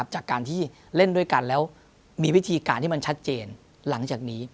จากการที่เล่นด้วยกันแล้วมีวิธีการที่มันชัดเจนหลังจากนี้